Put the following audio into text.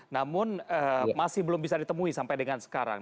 namun masih belum bisa ditemui sampai dengan sekarang